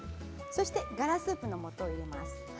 ガラスープのもとを入れます。